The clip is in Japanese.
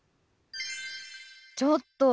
ちょっと！